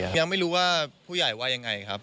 ยังไม่รู้ว่าผู้ใหญ่ว่ายังไงครับ